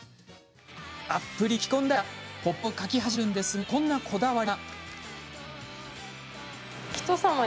たっぷりと聴き込んだらポップを書き始めるんですがこんなこだわりが。